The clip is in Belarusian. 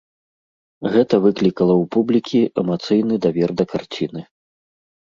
Гэта выклікала ў публікі эмацыйны давер да карціны.